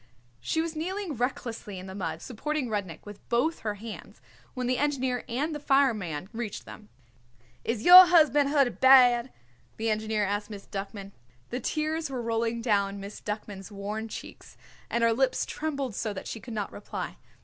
She was kneeling recklessly in the mud supporting Rudnik with both her hands when the engineer and the fireman reached them. "Is your husband hurted bad?" the engineer asked Miss Duckman. The tears were rolling down Miss Duckman's worn cheeks, and her lips trembled so that she could not reply.